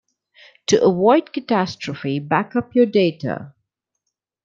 To avoid catastrophe, backup your data.